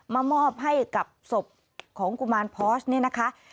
มามอบให้กับศพของกุมารพอสเนี่ยนะคะ